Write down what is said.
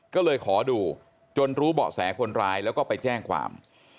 ก็เลยขอดูจนรู้เบาะแสคนร้ายแล้วก็ไปแจ้งความ